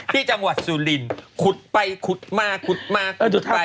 ที่จังหวัดสุรินขุดไปขุดมาขุดมาจุดอะไร